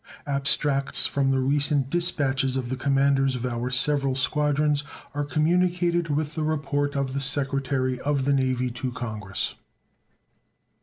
Abstracts from the recent dispatches of the commanders of our several squadrons are communicated with the report of the Secretary of the Navy to Congress.